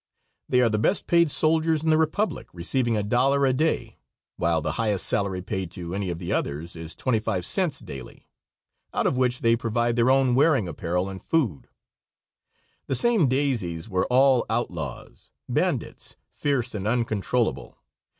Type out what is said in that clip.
They are the best paid soldiers in the Republic, receiving $1 a day, while the highest salary paid to any of the others is twenty five cents daily, out of which they provide their own wearing apparel and food. The same "daisies" were all outlaws, bandits, fierce and uncontrollable.